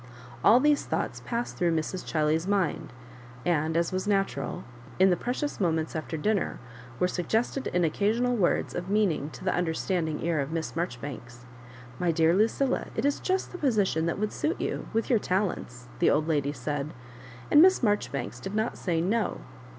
All these thoughts passed through Mrs. Chiley's mind, and, as was ' natural, in the precious moments after dinner, were suggested in occasional words of meaning to the understandmg ear of Miss Maijoribanks. "My dear Lucilla, it is just the position that would suit you— with your talents I " the old lady said; and Miss Maijoribanks did not say No.